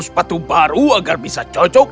sepatu baru agar bisa cocok